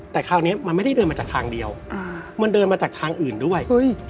แต่คราวนี้มันไม่ได้เดินมาจากทางเดียวมันเดินมาจากทางอื่นด้วย